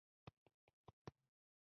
زه د طنزي خپرونو مینهوال یم.